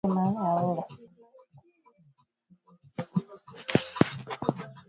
baada ya kukanga kata madonge manne ya unga